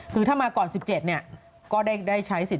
คือถ้ามาก่อน๑๗ก็ได้ใช้สิทธิ